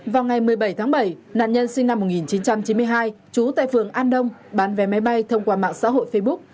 vào ngày một mươi bảy tháng bảy nạn nhân sinh năm một nghìn chín trăm chín mươi hai trú tại phường an đông bán vé máy bay thông qua mạng xã hội facebook